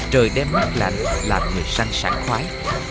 trời đêm mát lạnh làm người săn sảng khoái